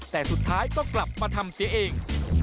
แต่สุดท้ายก็กลับมาทำเสียเอง